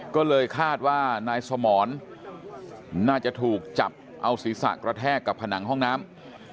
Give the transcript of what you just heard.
ก็เลยคาดว่านายสมรน่าจะถูกจับเอาศีรษะกระแทกกับผนังห้องน้ำ